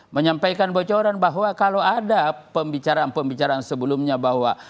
menyampaikan bocoran bahwa kalau ada pembicaraan pembicaraan sebelumnya bahwa